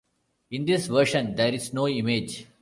In this version there is no image.